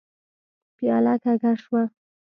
پياله کږه شوه.